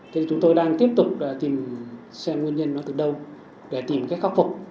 thì chúng tôi đang tiếp tục tìm xem nguyên nhân nó từ đâu để tìm cách khắc phục